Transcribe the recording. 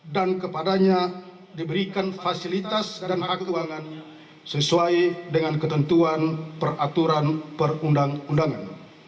dan kepadanya diberikan fasilitas dan hak keuangan sesuai dengan ketentuan peraturan perundang undangan